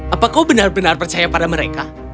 apa kau benar benar percaya pada mereka